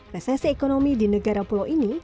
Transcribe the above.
resesi ekonomi di negara pulau ini